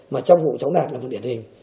mà trong vụ cháu đạt là một điển hình